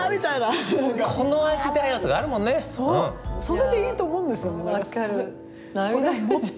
それでいいと思うんですよね。